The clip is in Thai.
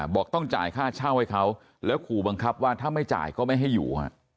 บอกต้องจ่ายค่าเช่าให้เขาแล้วขู่บังคับว่าถ้าไม่จ่ายก็ไม่ให้อยู่